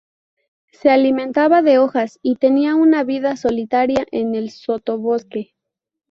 Se alimentaba de hojas y tenía una vida solitaria en el sotobosque.